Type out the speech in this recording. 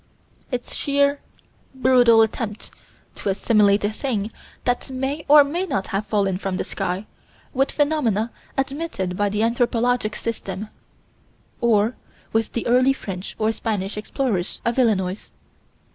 It's sheer, brutal attempt to assimilate a thing that may or may not have fallen from the sky, with phenomena admitted by the anthropologic system: or with the early French or Spanish explorers of Illinois.